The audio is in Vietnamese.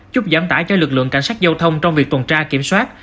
chúc giám tải cho lực lượng cảnh sát giao thông trong việc tuần tra kiểm soát